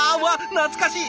懐かしい！